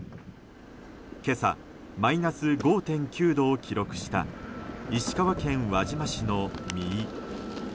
今朝マイナス５．９度を記録した石川県輪島市の三井。